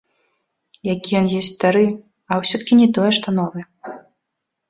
Які ён ёсць стары, а ўсё-такі не тое, што новы.